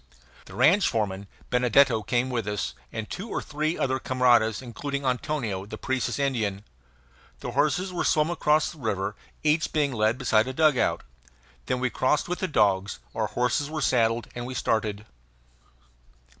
The ranch foreman, Benedetto, came with us, and two or three other camaradas, including Antonio, the Parecis Indian. The horses were swum across the river, each being led beside a dugout. Then we crossed with the dogs; our horses were saddled, and we started.